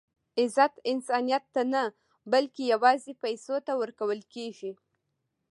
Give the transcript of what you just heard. عزت انسانیت ته نه؛ بلکي یوازي پېسو ته ورکول کېږي.